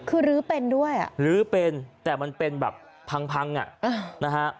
คือลื้อเป็นด้วยอ่ะลื้อเป็นแต่มันเป็นแบบพังพังอ่ะนะฮะ